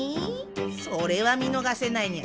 それは見逃せないにゃ。